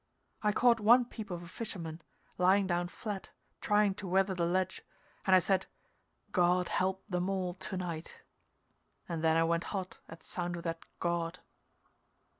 I caught one peep of a fisherman, lying down flat trying to weather the ledge, and I said, "God help them all to night," and then I went hot at sound of that "God."